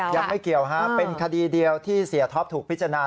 ยังไม่เกี่ยวฮะเป็นคดีเดียวที่เสียท็อปถูกพิจารณา